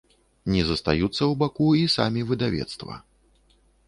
Не застаюцца ў баку і самі выдавецтва.